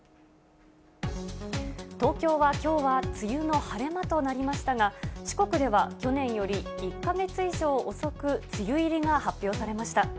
東京はきょうは梅雨の晴れ間となりましたが、四国では去年より１か月以上遅く、梅雨入りが発表されました。